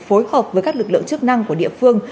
phối hợp với các lực lượng chức năng của địa phương